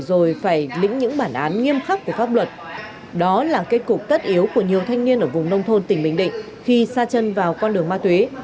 rồi phải lĩnh những bản án nghiêm khắc của pháp luật đó là kết cục tất yếu của nhiều thanh niên ở vùng nông thôn tỉnh bình định khi xa chân vào con đường ma túy